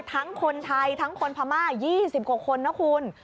ทั้งคนไทยทั้งคนพม่า๒๐กว่าคนนะคุณ